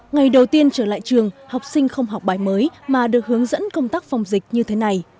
ngày đầu tiên trở lại trường học sinh không học bài mới mà được hướng dẫn công tác phòng dịch như thế này